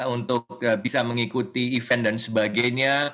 untuk bisa mengikuti event dan sebagainya